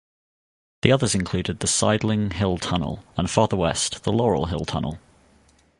The others included the Sideling Hill Tunnel, and farther west, the Laurel Hill Tunnel.